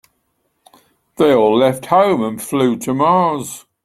They all left home and flew to Mars.